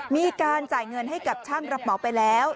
มีการจ่ายเงินให้กับช่างรับเหมาไปแล้ว